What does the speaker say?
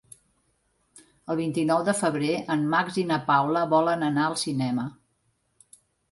El vint-i-nou de febrer en Max i na Paula volen anar al cinema.